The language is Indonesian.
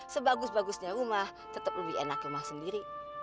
sebagus bagusnya rumah tetap lebih enak rumah sendiri